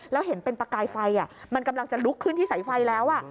แล้วเห็นเป็นประกายไฟมันกำลังจะลุกขึ้นที่สายไฟแล้ว